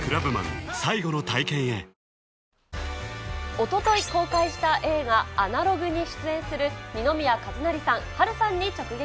おととい公開した映画、アナログに出演する、二宮和也さん、波瑠さんに直撃。